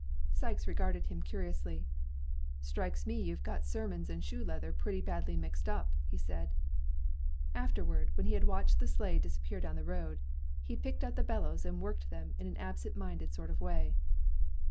Sikes regarded him curiously. "Strikes me you've got sermons and shoe leather pretty badly mixed up," he said. Afterward, when he had watched the sleigh disappear down the road, he picked up the bellows and worked them in an absent minded sort of a way.